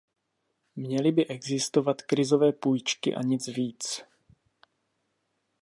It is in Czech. Měly by existovat krizové půjčky a nic víc.